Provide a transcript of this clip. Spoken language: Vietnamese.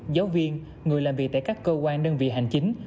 giáo viên người làm việc tại các cơ quan đơn vị hành chính